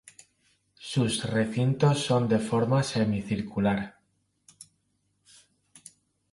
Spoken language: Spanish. Sus recintos son de forma semicircular.